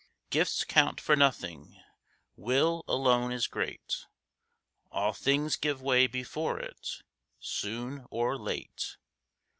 Gifts count for nothing; will alone is great; All things give way before it, soon or late.